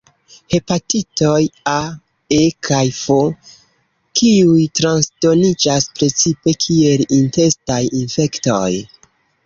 Hepatitoj A, E kaj F kiuj transdoniĝas precipe kiel intestaj infektoj.